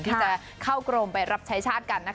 ที่จะเข้ากรมไปรับใช้ชาติกันนะคะ